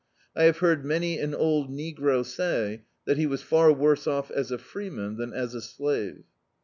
I have heard many an old negro say that be was far worse off as a freeman than as a slave.